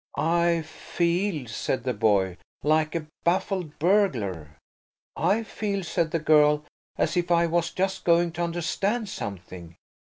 "I feel," said the boy, "like a baffled burglar." "I feel," said the girl, "as if I was just going to understand something.